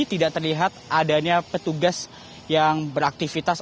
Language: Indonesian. tidak terlihat adanya petugas yang beraktivitas